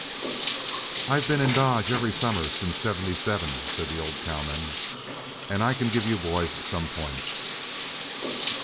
"I've been in Dodge every summer since '77," said the old cowman, "and I can give you boys some points.